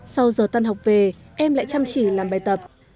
sau giờ tăn học về em lại chăm chỉ làm bài tập